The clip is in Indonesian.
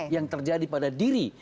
yang terjadi pada diri